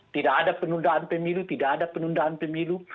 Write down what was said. tidak ada penundaan pemilu tidak ada penundaan pemilu